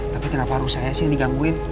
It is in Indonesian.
tapi kenapa harus saya sih yang digangguin